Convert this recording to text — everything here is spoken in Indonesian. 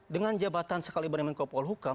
dengan jabatan sekaliber menko polhukam